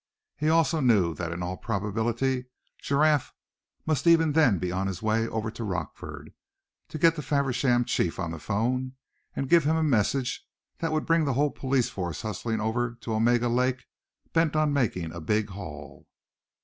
He also knew that in all probability Giraffe must even then be on his way over to Rockford, to get the Faversham Chief on the 'phone, and give him a message that would bring the whole police force hustling over to Omega Lake, bent on making a big haul.